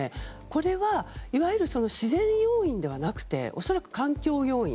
これはいわゆる自然要因ではなくて恐らく環境要因。